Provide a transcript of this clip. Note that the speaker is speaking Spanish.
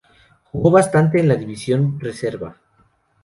Jugó bastante en la División Reserva.